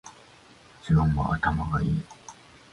自分は頭がいい